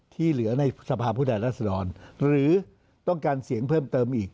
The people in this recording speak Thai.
ที่เหลือในสภาพผู้แทนรัศดรหรือต้องการเสียงเพิ่มเติมอีก